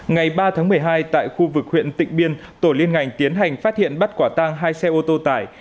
ngày ba tháng một mươi hai tại khu vực huyện tỉnh biên tổ liên ngành tiến hành phát hiện bắt quả tang hai xe ô tô tải